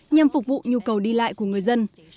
nhằm phục vụ nhu cầu đi lại của người dân